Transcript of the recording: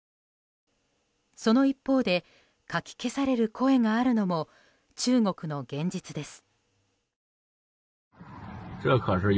その一方でかき消される声があるのも中国の現実です。